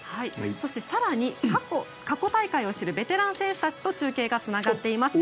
そして、更に過去大会を知るベテラン選手たちと中継がつながっています。